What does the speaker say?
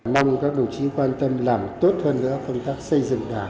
mong các đồng chí quan tâm làm tốt hơn nữa công tác xây dựng đảng